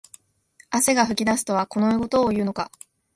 汗が噴き出すとはこのことを言うのか